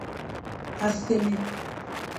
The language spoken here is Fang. A sémé.